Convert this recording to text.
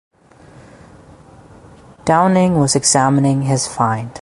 Downing was examining his find.